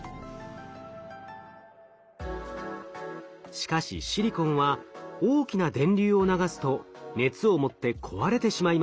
しかしシリコンは大きな電流を流すと熱を持って壊れてしまいます。